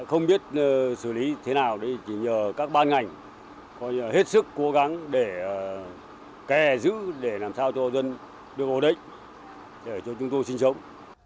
không biết xử lý thế nào thì chỉ nhờ các ban ngành hết sức cố gắng để kè giữ để làm sao cho dân đưa vào đây để cho chúng tôi sinh sống